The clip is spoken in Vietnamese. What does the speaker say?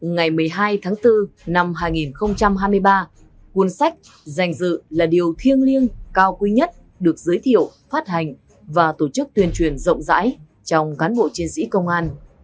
ngày một mươi hai tháng bốn năm hai nghìn hai mươi ba cuốn sách dành dự là điều thiêng liêng cao quý nhất được giới thiệu phát hành và tổ chức tuyên truyền rộng rãi trong cán bộ chiến sĩ công an